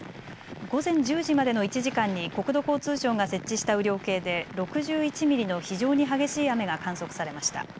午前１０時までの１時間に国土交通省が設置した雨量計で６１ミリの非常に激しい雨が観測されました。